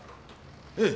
ええ。